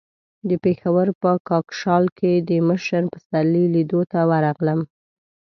د پېښور په کاکشال کې د مشر پسرلي لیدو ته ورغلم.